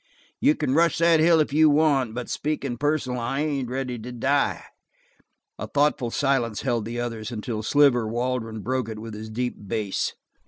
"You can rush that hill if you want, but speakin' personal, I ain't ready to die." A thoughtful silence held the others until Sliver Waldron broke it with his deep bass.